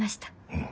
うん。